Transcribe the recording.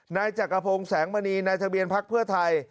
นายจักรพงศ์แสงมณีนายทะเบียนพักเพื่อไทย